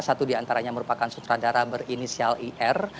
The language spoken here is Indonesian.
satu diantaranya merupakan sutradara berinisial ir